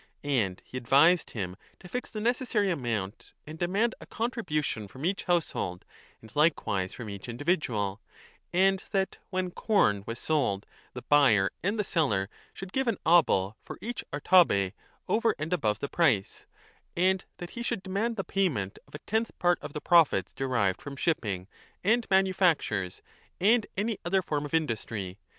And he advised him to fix the necessary amount and demand a contribution from each household and likewise from each individual ; and that, when corn was sold, the buyer and the seller should give an obol for each artabe over and 10 above the price ; and that he should demand the payment of a tenth part of the profits derived from shipping and manufactures and any other form of industry.